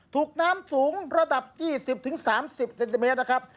ถูกน้ำสูงระดับ๒๐๓๐เซนติเมตรนะครับ